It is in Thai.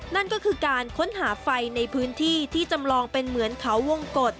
นั่นก็คือการค้นหาไฟในพื้นที่ที่จำลองเป็นเหมือนเขาวงกฎ